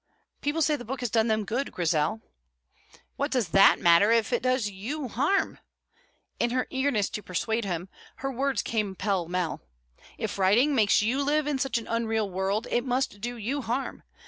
"People say the book has done them good, Grizel." "What does that matter, if it does you harm?" In her eagerness to persuade him, her words came pell mell. "If writing makes you live in such an unreal world, it must do you harm.